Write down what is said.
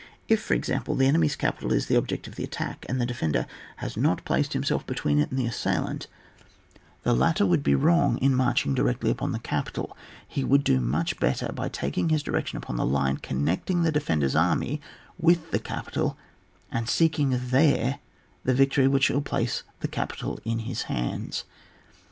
—If, for example, the enemy's capital is the object of the attack, and the defender has not placed himself between it and the assailant, the latter would be wrong in marching direct upon the capital, he would do much better by taking his di rection upon the line connecting the defender's army with the capital, and seeking there the victory which shall place the capital in his hands.